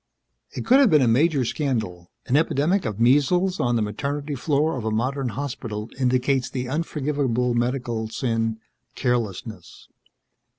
It could have been a major scandal. An epidemic of measles on the maternity floor of a modern hospital indicates the unforgivable medical sin carelessness.